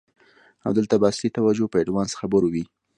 او دلته به اصلی توجه په آډوانس خبرو وی.